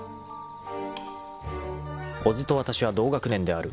［小津とわたしは同学年である］